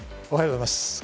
おはようございます。